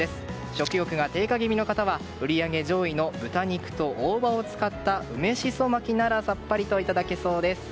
食欲が低下気味の方は売り上げ上位の豚肉と大葉を使った梅しそ巻きならさっぱりといただけそうです。